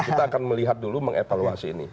kita akan melihat dulu mengevaluasi ini